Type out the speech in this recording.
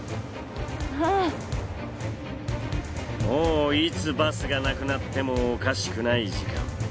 もういつバスがなくなってもおかしくない時間。